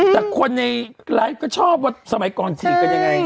แต่คนในไลฟ์ก็ชอบว่าสมัยก่อนฉีดกันยังไง